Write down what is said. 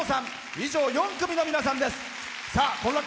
以上４組の皆さんです。